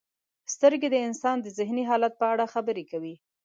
• سترګې د انسان د ذهني حالت په اړه خبرې کوي.